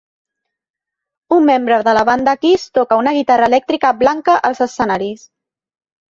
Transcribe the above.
Un membre de la banda KISS toca una guitarra elèctrica blanca als escenaris.